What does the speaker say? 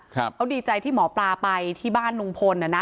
เขาดีใจที่หมอปลาไปที่บ้านลุงพลน่ะนะ